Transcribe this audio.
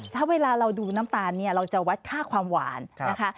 ถ้าเวลาเราดูน้ำตาลเนี่ยเราจะวัดค่าความหวานนะคะ